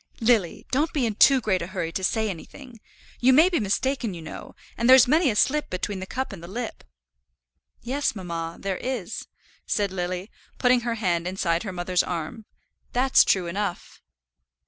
"Lily, don't be in too great a hurry to say anything. You may be mistaken, you know; and there's many a slip between the cup and the lip." "Yes, mamma, there is," said Lily, putting her hand inside her mother's arm, "that's true enough."